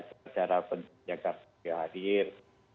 atau ada acara penjaga kehadir